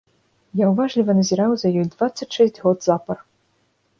Я ўважліва назіраў за ёй дваццаць шэсць год запар.